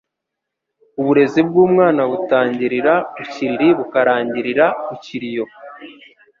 Uburezi bw’umwana butangirira ku kiriri bukarangirira ku kiriyo